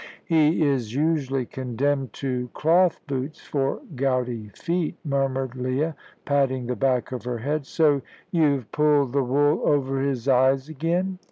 "He is usually condemned to cloth boots for gouty feet," murmured Leah, patting the back of her head. "So you've pulled the wool over his eyes again?"